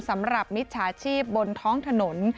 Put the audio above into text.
สำหรับมิจฉาชีพบนท้องถนน